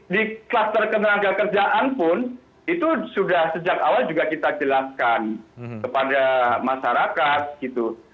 di kluster ketenaga kerjaan pun itu sudah sejak awal juga kita jelaskan kepada masyarakat gitu